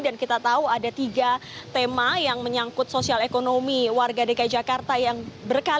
dan kita tahu ada tiga tema yang menyangkut sosial ekonomi warga dki jakarta